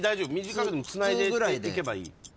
短くてもつないでいけばいい。